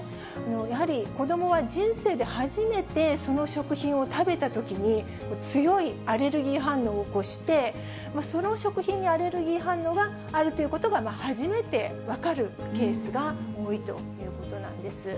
やはり子どもは人生で初めてその食品を食べたときに、強いアレルギー反応を起こして、その食品にアレルギー反応があるということが初めて分かるケースが多いということなんです。